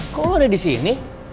kok lo ada disini